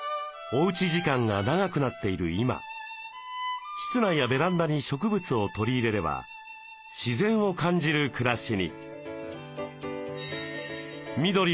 おうち時間が長くなっている今室内やベランダに植物を取り入れれば自然を感じる暮らしに。